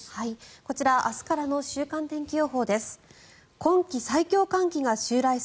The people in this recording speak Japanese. こちら、明日からの週間天気予報です。